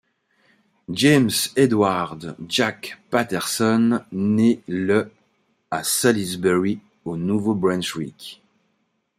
James Edward Jack Patterson naît le à Salisbury, au Nouveau-Brunswick.